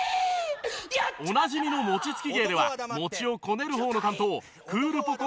おなじみの餅つき芸では餅をこねる方の担当クールポコ。